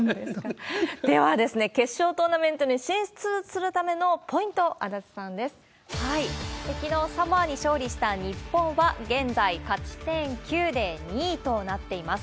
ではですね、決勝トーナメントに進出するためのポイント、足きのう、サモアに勝利した日本は現在、勝ち点９で２位となっています。